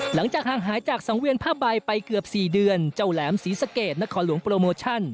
หลังจากห่างหายจากสังเวียนผ้าใบไปเกือบ๔เดือนเจ้าแหลมศรีสะเกดนครหลวงโปรโมชั่น